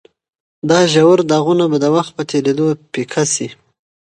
دا ژور داغونه به د وخت په تېرېدو پیکه شي.